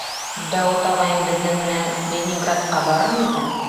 Дауыт ағайым беҙҙең менән Ленинградка барыр микән?